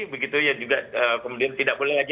begitu ya juga kemudian tidak boleh lagi